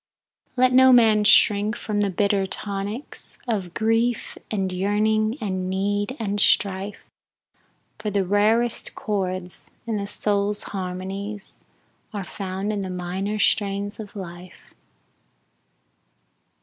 Let no man shrink from the bitter tonics Of grief, and yearning, and need, and strife, For the rarest chords in the soul's harmonies, Are found in the minor strains of life.